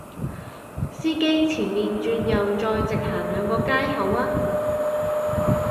司機前面右轉再直行兩個街口吖